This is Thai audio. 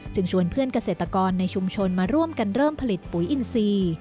ชวนเพื่อนเกษตรกรในชุมชนมาร่วมกันเริ่มผลิตปุ๋ยอินทรีย์